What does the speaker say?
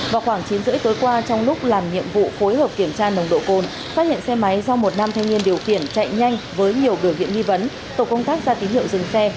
vào khoảng chín h ba mươi tối qua trong lúc làm nhiệm vụ phối hợp kiểm tra nồng độ cồn phát hiện xe máy do một nam thanh niên điều khiển chạy nhanh với nhiều biểu hiện nghi vấn tổ công tác ra tín hiệu dừng xe